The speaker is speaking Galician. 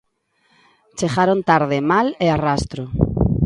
Chegaron tarde, mal e a rastro.